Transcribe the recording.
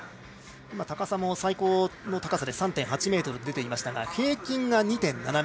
高さも最高の高さで３．８ｍ出ていましたが平均が２．７ｍ。